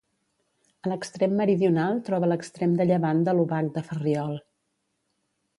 A l'extrem meridional troba l'extrem de llevant de l'Obac de Ferriol.